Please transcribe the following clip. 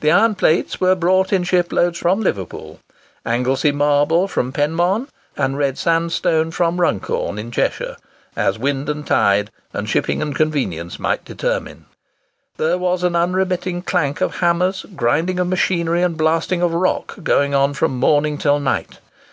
The iron plates were brought in ship loads from Liverpool, Anglesey marble from Penmon, and red sandstone from Runcorn, in Cheshire, as wind and tide, and shipping and convenience, might determine. There was an unremitting clank of hammers, grinding of machinery, and blasting of rock, going on from morning till night.